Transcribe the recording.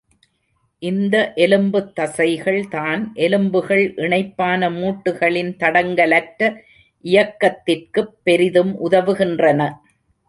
இந்த எலும்புத் தசைகள் தான் எலும்புகள் இணைப்பான மூட்டுக்களின் தடங்கலற்ற இயக்கத்திற்குப் பெரிதும் உதவுகின்றன.